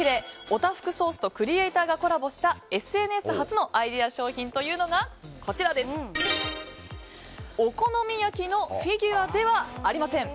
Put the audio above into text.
オタフクソースとクリエーターがコラボしたＳＮＳ発のアイデア商品がお好み焼きのフィギュアではありません。